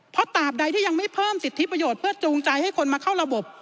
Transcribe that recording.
เพราะตราบใดที่ยังไม่เพิ่มสิทธิประโยชน์เพื่อจูงใจให้คนมาเข้าระบบ